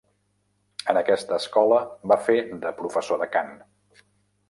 En aquesta escola va fer de professor de cant.